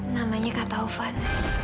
namanya kak tovan